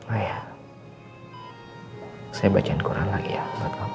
ayah saya baca al quran lagi ya buat kamu